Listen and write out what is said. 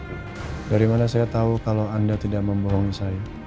karena saya tahu kalau anda tidak membohongi saya